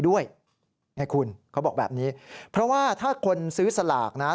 ด้วยไงคุณเขาบอกแบบนี้เพราะว่าถ้าคนซื้อสลากนะ